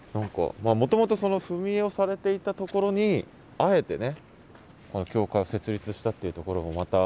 もともとその踏み絵をされていたところにあえてねこの教会を設立したっていうところもまた熊本の。